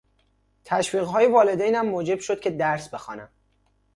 تشویق های والدینم موجب شد که درس بخوانم.